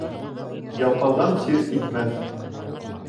Ялҡауҙан сир китмәҫ.